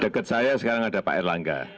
dekat saya sekarang ada pak erlangga